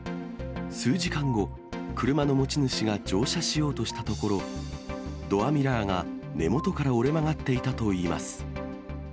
数時間後、車の持ち主が乗車しようとしたところ、ドアミラーが根元から折れ曲がっていたといいます。